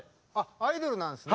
アイドルなんですね。